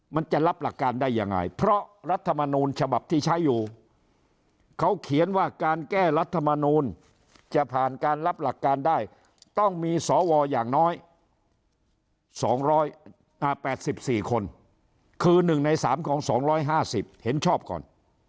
มันจะรับหลักการได้ยังไงเพราะรัฐมนูลฉบับที่ใช้อยู่เขาเขียนว่าการแก้รัฐมนูลจะผ่านการรับหลักการได้ต้องมีสวอย่างน้อย๒๘๔คนคือ๑ใน๓ของ๒๕๐เห็นชอบก่อน